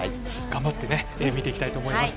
頑張って見ていきたいと思います。